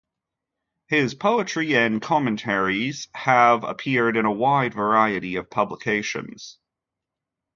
His poetry and commentaries have appeared in a wide variety of publications.